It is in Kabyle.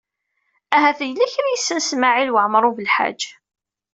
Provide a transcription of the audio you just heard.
Ahat yella kra i yessen Smawil Waɛmaṛ U Belḥaǧ.